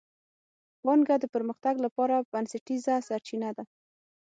پانګه د پرمختګ لپاره بنسټیزه سرچینه ده.